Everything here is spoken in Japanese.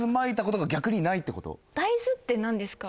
「大豆ってなんですか？」。